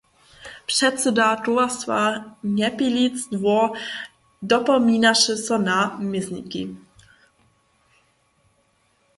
Předsyda towarstwa Njepilic dwór dopominaše na mězniki.